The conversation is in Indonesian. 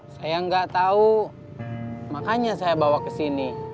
saya gak tau makanya saya bawa kesini